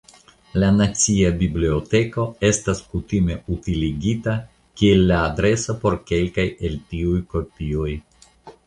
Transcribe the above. La nacia biblioteko estas kutime utiligita kiel la adreso por kelkaj el tiuj kopioj.